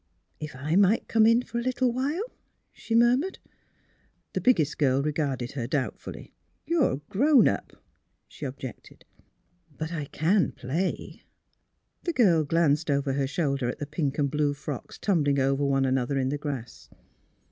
" If I might come in for a little while! " she murmured. The biggest girl regarded her doubtfully. 258 THE HEAET OF PHILUEA '' You are grown up," she objected. But I can play." The girl glanced over her shoulder at the pink and blue frocks tumbling over one another in the grass.